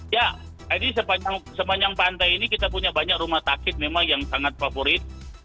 ya ini sepanjang pantai ini kita punya banyak rumah sakit memang yang sangat favorit